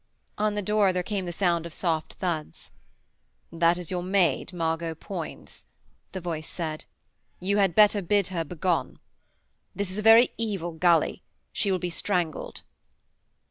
On the door there came the sound of soft thuds. 'That is your maid, Margot Poins,' the voice said. 'You had better bid her begone. This is a very evil gully; she will be strangled.'